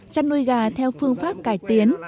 chăn nuôi gà theo phương pháp cải tiến